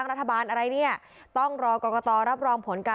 สมบัติการพลังมีชาติรักษ์ได้หรือเปล่า